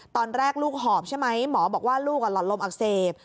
ตอนแรกลูกหอบใช่ไหมหมอบอกว่าลูกหลอดลมอักเสบ